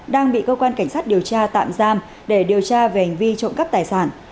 đang bị cơ quan cảnh sát điều tra tạm giam để điều tra về hành vi trộm cắp tài sản